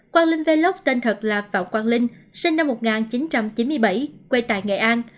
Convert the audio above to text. quang linh ve lốc tên thật là phạm quang linh sinh năm một nghìn chín trăm chín mươi bảy quê tại nghệ an